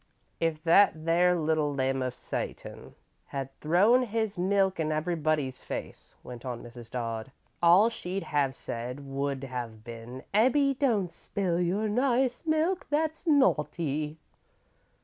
"If that there little limb of Satan had have throwed his milk in anybody else's face," went on Mrs. Dodd, "all she'd have said would have been: 'Ebbie, don't spill your nice milk. That's naughty.'"